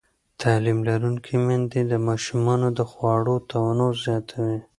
تعلیم لرونکې میندې د ماشومانو د خواړو تنوع زیاتوي.